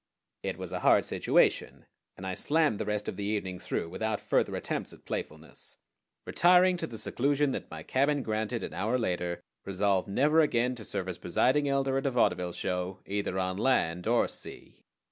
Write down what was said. It was a hard situation, and I slammed the rest of the evening through without further attempts at playfulness, retiring to the seclusion that my cabin granted an hour later, resolved never again to serve as presiding elder at a vaudeville show either on land or sea.